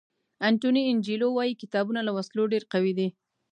انټوني انجیلو وایي کتابونه له وسلو ډېر قوي دي.